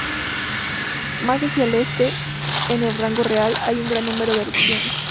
Más hacia el este, en el rango real, hay un gran número de erupciones.